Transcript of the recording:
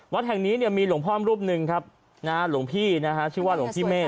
วัดแห่งนี้เนี่ยมีหลวงพ่อรูปหนึ่งครับหลวงพี่นะฮะชื่อว่าหลวงพี่เมฆ